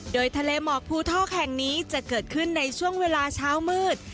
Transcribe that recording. โดยทะเลหมอกภูทอกแห่งนี้จะเกิดขึ้นในช่วงเวลาเช้ามืด